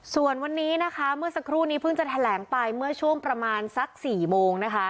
ส่วนวันนี้นะคะเมื่อสักครู่นี้เพิ่งจะแถลงไปเมื่อช่วงประมาณสัก๔โมงนะคะ